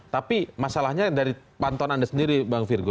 tapi masalahnya dari pantauan anda sendiri bang virgo